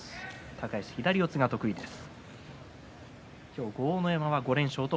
高安は左四つが得意です。